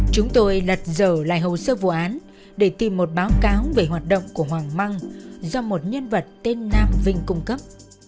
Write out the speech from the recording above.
chúng tôi lật dở lại hồ sơ vụ án để tìm một báo cáo về hoạt động của hoàng măng do một nhân vật tên nam vinh cung cấp